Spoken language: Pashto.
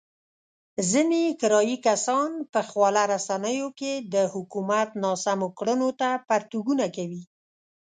ځنې کرايي کسان په خواله رسينو کې د حکومت ناسمو کړنو ته پرتوګونه کوي.